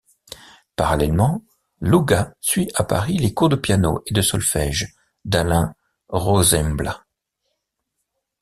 Parallèlement, Lougah suit à Paris les cours de piano et de solfège d’Alain Rozaimbla.